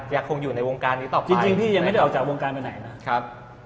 ยังคงอยู่ในวงการนี้ต่อไปจริงพี่ยังไม่ได้ออกจากวงการไปไหนนะครับ